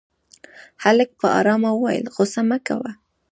هلک په آرامه وويل غوسه مه کوه.